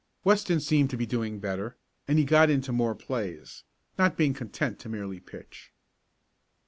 Weston seemed to be doing better, and he got into more plays, not being content to merely pitch.